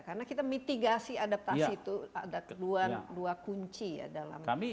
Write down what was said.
karena kita mitigasi adaptasi itu ada kedua kunci ya